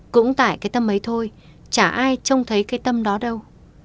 cũng tại cái tâm ấy thôi chả ai trông thấy cái tâm đó đâu